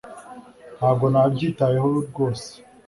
Ntabwo nabyitayeho rwose